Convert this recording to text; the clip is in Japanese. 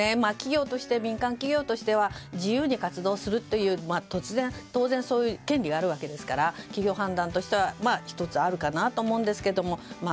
民間企業としては自由に活動するという当然、そういう権利があるわけですから企業判断としては、１つあるかなと思うんですけども。